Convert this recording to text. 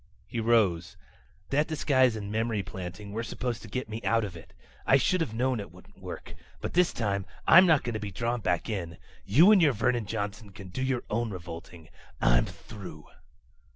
He rose. "That disguise and memory planting were supposed to get me out of it. I should have known it wouldn't work. But this time I'm not going to be drawn back in! You and your Vernon Johnson can do your own revolting. I'm through!"